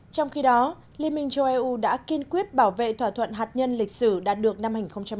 trong khi đó liên minh châu âu đã kiên quyết bảo vệ thỏa thuận hạt nhân lịch sử đạt được năm hai nghìn một mươi năm